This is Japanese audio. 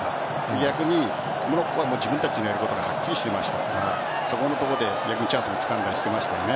逆にモロッコは自分たちがやることがはっきりしてましたからそこのところでチャンスをつかんだりしてました。